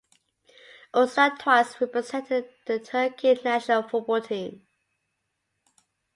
Usta twice represented the Turkey national football team.